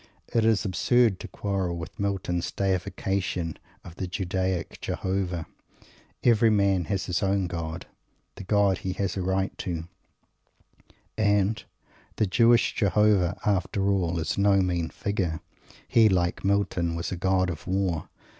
It is absurd to quarrel with Milton's deification of the Judaic Jehovah. Every man has his own God. The God he has a right to. And the Jewish Jehovah, after all, is no mean figure. He, like Milton, was a God of War.